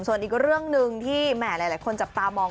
ส่วนอีกเรื่องหนึ่งที่แหมหลายคนจับตามอง